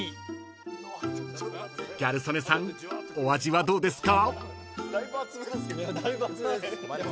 ［ギャル曽根さんお味はどうですか？］